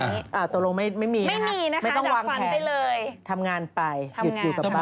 ตัวลงไม่มีนะคะดับฟันได้เลยไม่ต้องวางแผนทำงานไปอยู่กับบ้านทำงาน